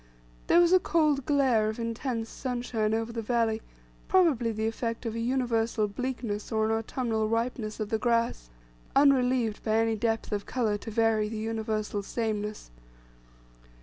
There was a cold glare of intense sunshine over the valley, probably the effect of an universal bleakness or an autumnal ripeness of the grass, unrelieved by any depth of colour to vary the universal sameness.